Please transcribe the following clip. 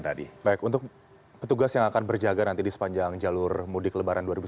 baik untuk petugas yang akan berjaga nanti di sepanjang jalur mudik lebaran dua ribu sembilan belas